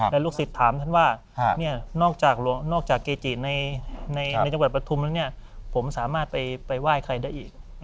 แล้วลูกศิษย์ถามท่านว่านอกจากเกจิดในจังหวัดประทุมแล้วเนี่ยผมสามารถไปไหว้ใครได้อีก